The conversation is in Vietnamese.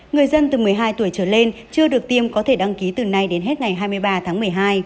người dân từ một mươi hai tuổi trở lên chưa được tiêm có thể đăng ký từ nay đến hết ngày hai mươi ba tháng một mươi hai